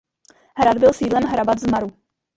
Hrad byl sídlem hrabat z Maru.